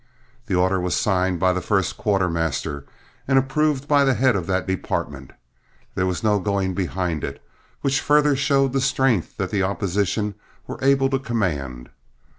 The order was signed by the first quartermaster and approved by the head of that department; there was no going behind it, which further showed the strength that the opposition were able to command.